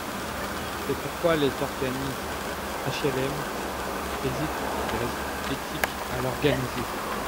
C’est pourquoi les organismes HLM hésitent, pour des raisons éthiques, à l’organiser.